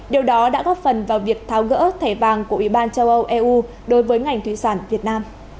điều đó đã góp phần vào việc tháo gỡ thẻ vàng của ủy ban châu âu eu đối với ngành thủy sản việt nam